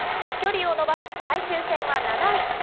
飛距離を伸ばし、最終戦は７位。